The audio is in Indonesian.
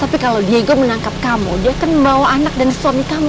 tapi kalau diego menangkap kamu dia akan membawa anak dan suami kamu